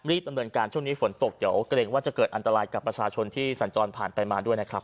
ดำเนินการช่วงนี้ฝนตกเดี๋ยวเกรงว่าจะเกิดอันตรายกับประชาชนที่สัญจรผ่านไปมาด้วยนะครับ